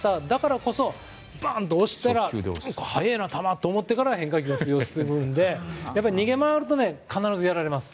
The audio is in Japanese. バン！と押したら速いな球と思ってから通用するので逃げ回ると必ずやられます。